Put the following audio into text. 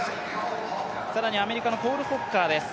更にアメリカのコール・ホッカーです。